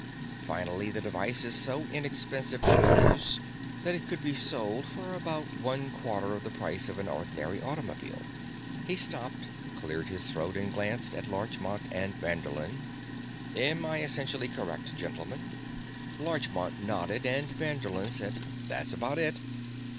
"Finally, the device is so inexpensive to produce that it could be sold for about one quarter of the price of an ordinary automobile." He stopped, cleared his throat, and glanced at Larchmont and Vanderlin. "Am I essentially correct, gentlemen?" Larchmont nodded, and Vanderlin said, "That's about it."